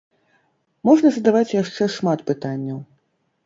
Можна задаваць яшчэ шмат пытанняў.